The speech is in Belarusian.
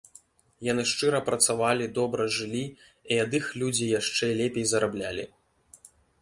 Яны шчыра працавалі, добра жылі і ад іх людзі яшчэ лепей зараблялі.